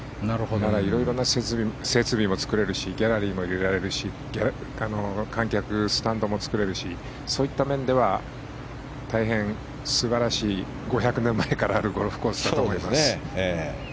いろいろな設備も作れるしギャラリーも入れられるし観客、スタンドも作れるしそういった面では大変素晴らしい５００年前からあるゴルフコースだと思います。